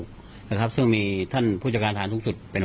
ความมั่งคงนะครับซึ่งมีท่านผู้จัดการฐานทรุงจุดเป็น